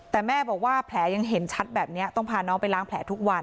แต่แม่บอกว่าแผลยังเห็นชัดแบบนี้ต้องพาน้องไปล้างแผลทุกวัน